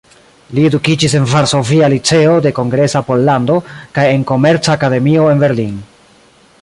Li edukiĝis en Varsovia Liceo de Kongresa Pollando kaj en Komerca Akademio en Berlin.